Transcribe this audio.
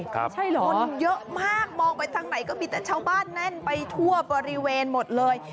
คนเยอะมากมองไปทางไหนก็มีแต่ชาวบ้านแน่นไปทั่วบริเวณหมดเลย